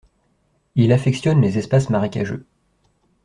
Il affectionne les espaces marécageux.